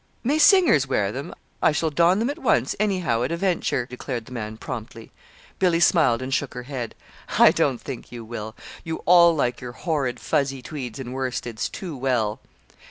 "May singers wear them? I shall don them at once, anyhow, at a venture," declared the man, promptly. Billy smiled and shook her head. "I don't think you will. You all like your horrid fuzzy tweeds and worsteds too well!"